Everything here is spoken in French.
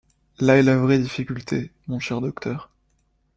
Là est la vraie difficulté, mon cher docteur.